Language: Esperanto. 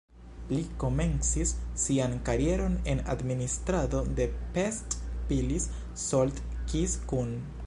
Li komencis sian karieron en administrado de Pest-Pilis-Solt-Kiskun.